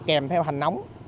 kèm theo hành nóng